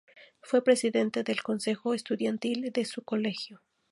Fue presidente del consejo estudiantil de su colegio.